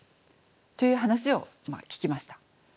という話を聞きました。